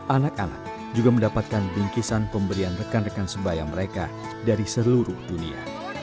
anak anak juga mendapatkan bingkisan pemberian rekan rekan sebaya mereka dari seluruh dunia